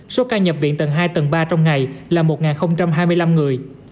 số ca nhập viện tầng hai tầng ba trong ngày là một hai mươi năm người